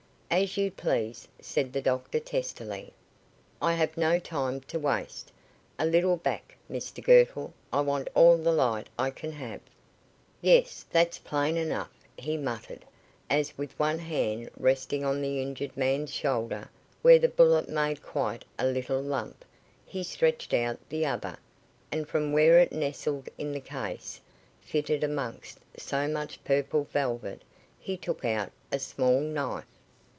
"As you please;" said the doctor testily. "I have no time to waste. A little back, Mr Girtle; I want all the light I can have. Yes, that's plain enough," he muttered, as with one hand resting on the injured man's shoulder where the bullet made quite a little lump, he stretched out the other, and from where it nestled in the case, fitted amongst so much purple velvet, he took out a small knife.